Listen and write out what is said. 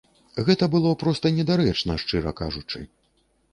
Гэта было проста недарэчна, шчыра кажучы.